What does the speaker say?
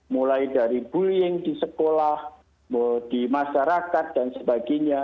mulai dari bullying di sekolah di masyarakat dan sebagainya